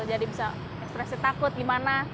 jadi bisa ekspresi takut gimana